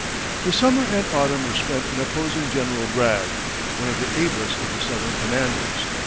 The summer and autumn were spent in opposing General Bragg, one of the ablest of the Southern commanders.